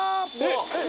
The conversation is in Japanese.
えっ？